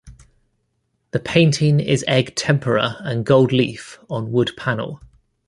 The painting is egg tempera and gold leaf on wood panel.